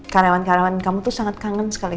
karyawan karyawan kamu tuh sangat kangen sekali